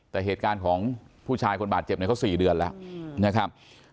แต่เหตุการณ์ของผู้ชายคนบาดเจ็บเนี่ยเขา๔เดือนแล้วนะครับ